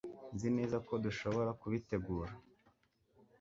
Nzi neza ko dushobora kubitegura